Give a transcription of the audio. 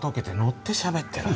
ッてしゃべってる。